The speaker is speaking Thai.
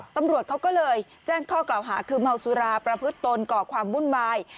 ตำรวจเขาก็เลยแจ้งข้อกล่าวหาคือเมาสุราประพฤติตนก่อความวุ่นวาย